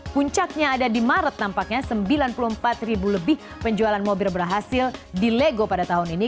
puncaknya ada di maret nampaknya sembilan puluh empat ribu lebih penjualan mobil berhasil di lego pada tahun ini